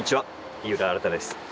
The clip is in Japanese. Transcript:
井浦新です。